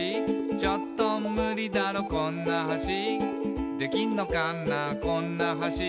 「ちょっとムリだろこんな橋」「できんのかなこんな橋」